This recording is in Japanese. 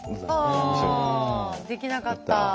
あできなかった。